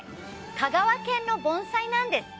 香川県の盆栽なんです。